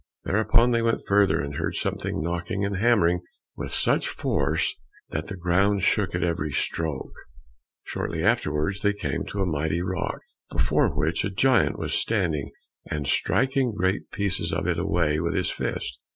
Thereupon they went further and heard something knocking and hammering with such force that the ground shook at every stroke. Shortly afterwards they came to a mighty rock, before which a giant was standing and striking great pieces of it away with his fist.